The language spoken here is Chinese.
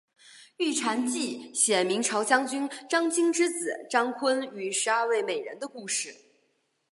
玉蟾记写明朝将军张经之子张昆与十二位美人的故事。